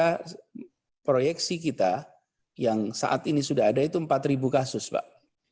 karena proyeksi kita yang saat ini sudah ada itu empat kasus pak